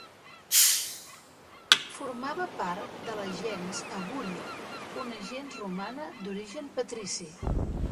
Formava part de la gens Abúria, una gens romana d'origen patrici.